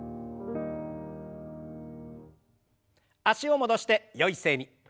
脚を戻してよい姿勢に。